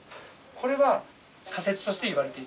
これは仮説として言われていたんですね。